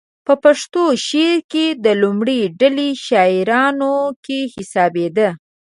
په پښتو شعر کې د لومړۍ ډلې شاعرانو کې حسابېده.